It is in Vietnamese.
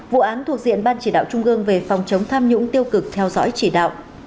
vụ án thuộc diện ban chỉ đạo trung ương về phòng chống tham nhũng tiêu cực theo dõi chỉ đạo